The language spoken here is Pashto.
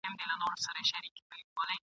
د ایوب تر لوند ګرېوانه !.